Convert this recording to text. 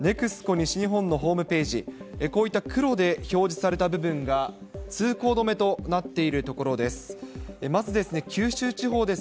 西日本のホームページ、こういった黒で表示された部分が通行止めとなっているところです。